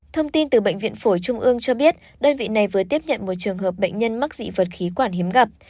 thông tin từ bệnh viện phổi trung ương cho biết đơn vị này vừa tiếp nhận một trường hợp bệnh nhân mắc dị vật khí quản hiếm gặp